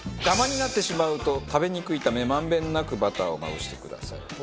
ダマになってしまうと食べにくいため満遍なくバターをまぶしてください。